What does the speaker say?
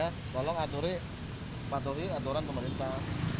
tolong aturi patuhi aturan pemerintah